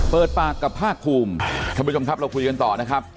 เปิดปากกับภาคภูมิท่านผู้ชมครับเราคุยกันต่อนะครับ